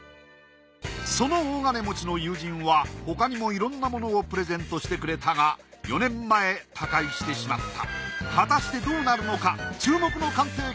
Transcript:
その大金持ちの友人はほかにもいろんなものをプレゼントしてくれたが４年前他界してしまった。